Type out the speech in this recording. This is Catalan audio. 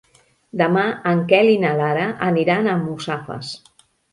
Demà en Quel i na Lara aniran a Almussafes.